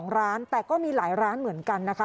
ร้านแต่ก็มีหลายร้านเหมือนกันนะคะ